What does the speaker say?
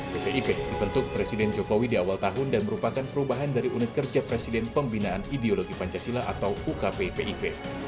bpip dibentuk presiden jokowi di awal tahun dan merupakan perubahan dari unit kerja presiden pembinaan ideologi pancasila atau ukppip